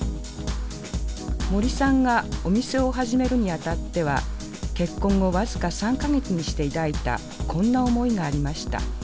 森さんがお店を始めるにあたっては結婚後僅か３か月にして抱いたこんな思いがありました。